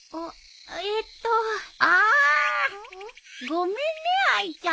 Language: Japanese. ごめんねあいちゃん。